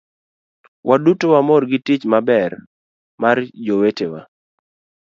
waduto wamor gi tich maber mar jowetewa